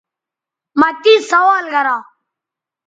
مہ تے سوال گرا